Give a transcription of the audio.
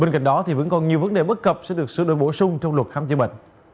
còn nhiều vấn đề bất cập sẽ được sửa đổi bổ sung trong luật khám chữa bệnh